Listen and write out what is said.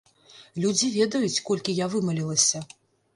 Людзі ведаюць, колькі я вымалілася.